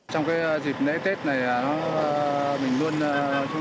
trong dịp lễ tết này mình luôn đảm bảo về số lượng người và quy định của luật giao thông có thể ra